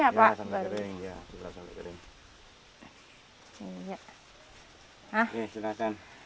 iya sudah sampai kering